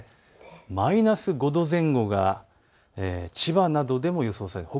マイナス５度前後が千葉などでも予想されています。